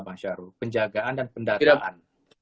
mbak syaro penjagaan dan pendataan